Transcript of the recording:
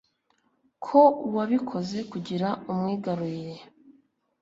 ko wabikoze kugira umwigarurire